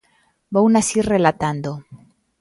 Vounas ir relatando.